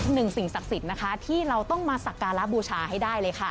สิ่งศักดิ์สิทธิ์นะคะที่เราต้องมาสักการะบูชาให้ได้เลยค่ะ